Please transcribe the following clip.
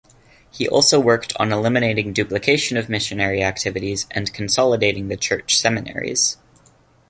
He also worked on eliminating duplication of missionary activities and consolidating the church seminaries.